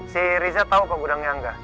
si riza tahu ke gudangnya angga